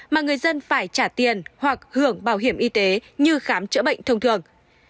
mà người dân phải trả tiền hoặc hưởng bảo hiểm y tế như khám chữa bệnh thông thường